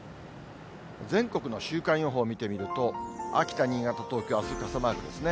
全国の週間予報を見てみると、秋田、新潟、東京、あす、傘マークですね。